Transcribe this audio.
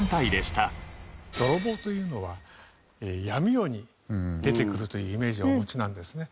泥棒というのは闇夜に出てくるというイメージをお持ちなんですね。